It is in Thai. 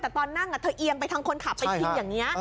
แต่ตอนนั่งเธอเอียงไปทางคนขับไปทิ้งอย่างนี้